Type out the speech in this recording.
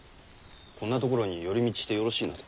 こんなところに寄り道してよろしいので？